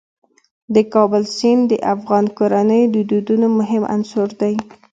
د کابل سیند د افغان کورنیو د دودونو مهم عنصر دی.